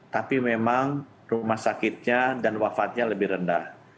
tapi memang rumah sakitnya dan wafatnya lebih rendah